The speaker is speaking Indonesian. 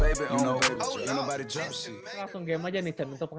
ya urang urang temen temen gitu son